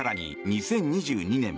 ２０２２年